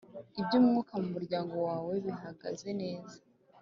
iby umwuka mu muryango wawe bihagaze neza